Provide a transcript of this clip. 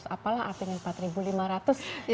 apalah artinya rp empat lima ratus jaman now ini